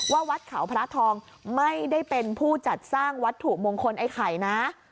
วัดเขาพระทองไม่ได้เป็นผู้จัดสร้างวัตถุมงคลไอ้ไข่นะ